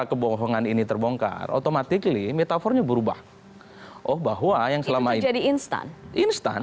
kebohongan ini terbongkar otomatik metafornya berubah oh bahwa yang selama ini di instan instan